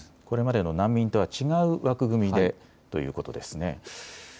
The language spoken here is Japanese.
これまでの難民とは違う枠組みでということですね。